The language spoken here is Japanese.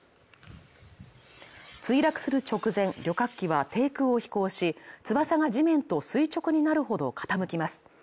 墜落する直前旅客機は低空を飛行し翼が地面と垂直になるほど傾きます